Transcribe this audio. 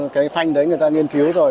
cái phanh đấy người ta nghiên cứu rồi